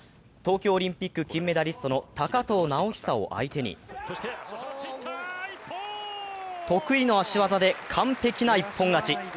東京オリンピック金メダリストの高藤直寿を相手に得意の足技で完璧な一本勝ち。